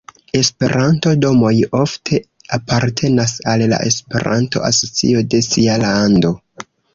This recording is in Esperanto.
Esperanto-domoj ofte apartenas al la Esperanto-asocio de sia lando.